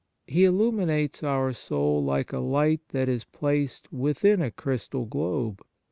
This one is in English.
He illuminates our soul like a light that is placed within a crystal globe.